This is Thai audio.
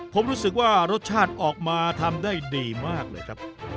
ผมรู้สึกว่ารสชาติออกมาทำได้ดีมากเลยครับ